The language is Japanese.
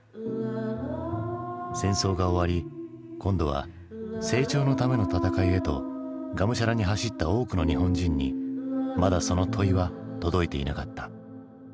戦争が終わり今度は成長のための闘いへとがむしゃらに走った多くの日本人にまだその問いは届いていなかった。